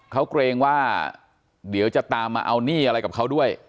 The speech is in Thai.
เขาเกรงว่าเดี๋ยวจะตามมาเอาหนี้อะไรกับเขาด้วย